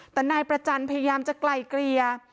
แต่นายประจันพยายามจะไกลเกลี่ย